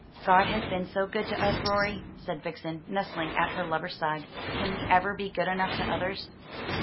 "God has been so good to us, Rorie," said Vixen, nestling at her lover's side. "Can we ever be good enough to others?"